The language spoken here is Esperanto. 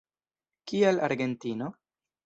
Kial Argentino?